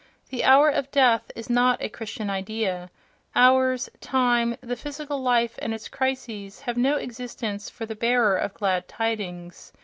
The "hour of death" is not a Christian idea—"hours," time, the physical life and its crises have no existence for the bearer of "glad tidings."...